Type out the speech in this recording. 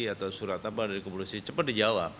atau surat apa dari kepolisian cepat dijawab